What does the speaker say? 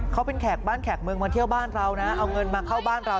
เขาเป็นแขกบ้านแขกเมืองมาเที่ยวบ้านเรานะเอาเงินมาเข้าบ้านเรา